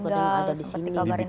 mbak dia sudah ada di sini